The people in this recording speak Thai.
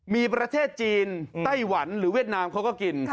มีประเทศจีนไต้หวันหรือเวียดนามเขาก็กิน